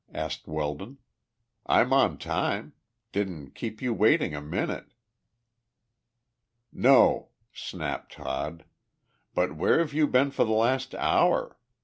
asked Weldon. "I'm on time. Didn't keep you waiting a minute?" "No!" snapped Todd, "but where have you been for the last hour?